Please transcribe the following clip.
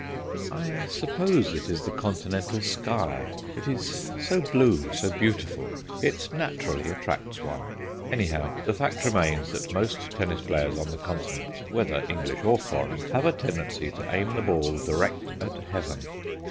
I suppose it is the continental sky. It is so blue, so beautiful; it naturally attracts one. Anyhow, the fact remains that most tennis players on the Continent, whether English or foreign, have a tendency to aim the ball direct at Heaven.